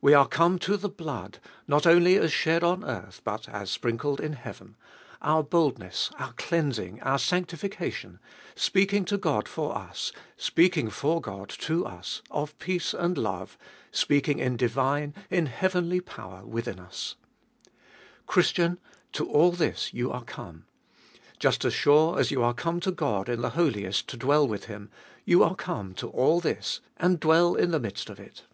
We are come to the blood, not only as shed on earth, but as sprinkled in heaven — our boldness, our cleansing, our sanctifica tion ; speaking to God for us, speaking for God to us, of peace and love ; speaking in divine, in heavenly power within us. 512 Sbe Ibolicst of 2UI Christian, to all this you are come. Just as sure as you are come to God in the Holiest, to dwell with Him, you are come x to all this, and dwell in the midst of it.